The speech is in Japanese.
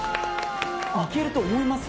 行けると思います？